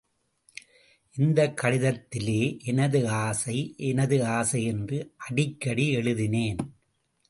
இந்தக் கடிதத்திலே எனது ஆசை, எனது ஆசை என்று அடிக்கடி எழுதினேன்.